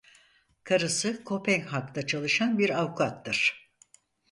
Karısı Kopenhag'da çalışan bir avukattır.